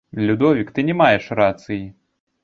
Людовік, ты не маеш рацыі!